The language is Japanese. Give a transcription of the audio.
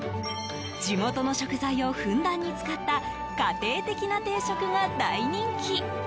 地元の食材をふんだんに使った家庭的な定食が大人気。